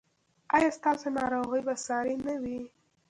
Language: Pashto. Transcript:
ایا ستاسو ناروغي به ساري نه وي؟